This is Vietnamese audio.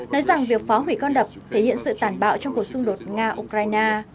nói rằng việc phá hủy con đập thể hiện sự tản bạo trong cuộc xung đột nga ukraine